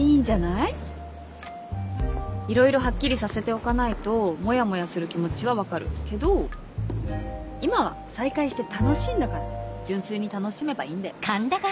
いろいろはっきりさせておかないともやもやする気持ちは分かるけど今は再会して楽しいんだから純粋に楽しめばいいんだよ。